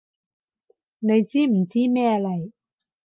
你知唔知咩嚟？